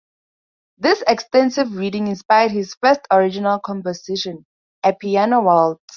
This extensive reading inspired his first original composition, a piano waltz.